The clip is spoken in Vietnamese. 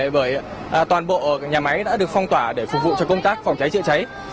bởi toàn bộ nhà máy đã được phong tỏa để phục vụ cho công tác phòng cháy chữa cháy